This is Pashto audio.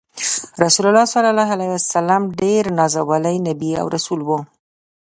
رسول الله ص د الله ډیر نازولی نبی او رسول وو۔